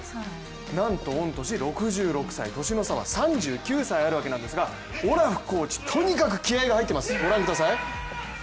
なんと御年６６歳、年の差は３９歳あるわけなんですが、オラフコーチ、とにかく気合いが入っています。